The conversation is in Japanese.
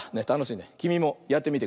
きみもやってみてくれ！